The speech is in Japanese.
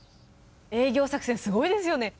営業作戦すごいですよね！